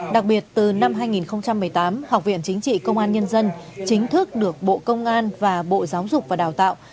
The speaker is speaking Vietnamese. đặc biệt từ năm hai nghìn một mươi tám học viện chính trị công an nhân dân chính thức được bộ công an và bộ giáo dục và đào tạo